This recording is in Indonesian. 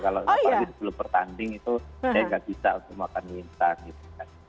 kalau apalagi belum bertanding itu ya gak bisa aku makan mie instan gitu kan